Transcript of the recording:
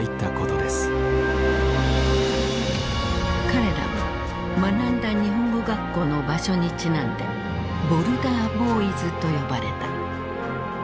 彼らは学んだ日本語学校の場所にちなんで「ボルダー・ボーイズ」と呼ばれた。